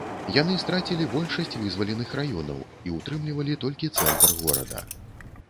Яны страцілі большасць вызваленых раёнаў і ўтрымлівалі толькі цэнтр горада.